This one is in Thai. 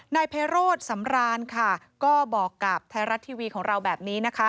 นายไพโรธสำรานค่ะก็บอกกับไทยรัฐทีวีของเราแบบนี้นะคะ